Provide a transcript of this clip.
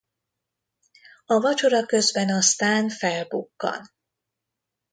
A vacsora közben aztán felbukkan.